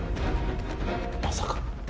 まさか。